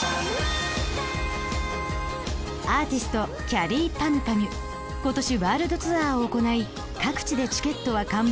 アーティスト今年ワールドツアーを行い各地でチケットは完売。